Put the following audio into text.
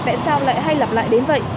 tại sao lại hay lặp lại đến vậy